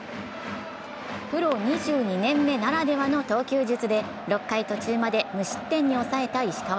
プロ２２年目ならではの投球術で６回途中まで無失点に抑えた石川。